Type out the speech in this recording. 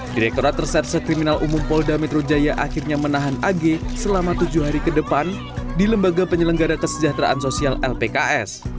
direkturat reserse kriminal umum polda metro jaya akhirnya menahan ag selama tujuh hari ke depan di lembaga penyelenggara kesejahteraan sosial lpks